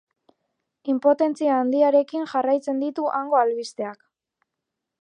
Inpotentzia handiarekin jarraitzen ditu hango albisteak.